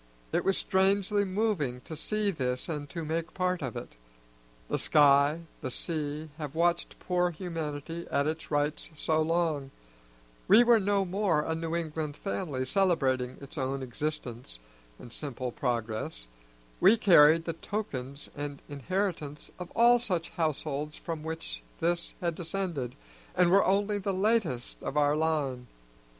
It was strangely moving to see this and to make part of it. The sky, the sea, have watched poor humanity at its rites so long; we were no more a New England family celebrating its own existence and simple progress; we carried the tokens and inheritance of all such households from which this had descended, and were only the latest of our line.